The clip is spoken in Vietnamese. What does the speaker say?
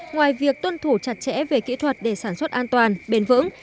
ngoài việc tuân thủ chặt chẽ về kỹ thuật để sản xuất an toàn bền vững